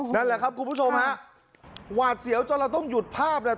ดังแหละครับผู้ชมฮะหวัดเสียวจอดแล้วต้องหยุดภาพเนี้ย